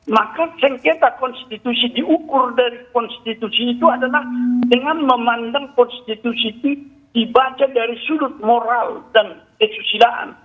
maka sengketa konstitusi diukur dari konstitusi itu adalah dengan memandang konstitusi itu dibaca dari sudut moral dan kesusilaan